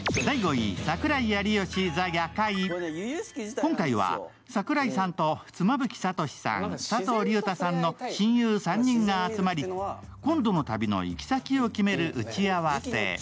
今回は櫻井さんと妻夫木聡さん、佐藤隆太さんの親友３人が集まり、今度の旅の行き先を決める打ち合わせ。